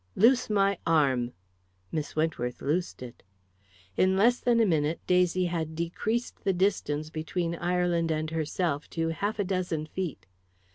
"Loose my arm." Miss Wentworth loosed it. In less than a minute Daisy had decreased the distance between Ireland and herself to half a dozen feet.